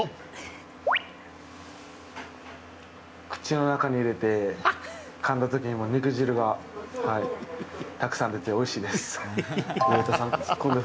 口の中に入れて、かんだときに、肉汁がはい、たくさん出て、おいしいです。